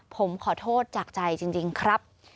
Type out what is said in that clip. ผมขอโทษจากใจจริงครับ